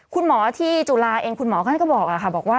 คุณหมอที่จุฬาเองคุณหมอก็บอกว่า